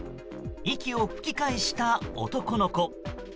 息を吹き返した男の子。